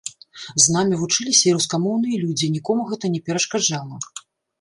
З намі вучыліся і рускамоўныя людзі, нікому гэта не перашкаджала.